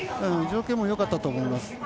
条件もよかったと思います。